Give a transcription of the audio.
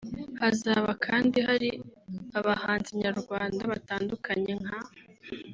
Hazaba kandi hari abahanzi nyarwanda batandukanye nka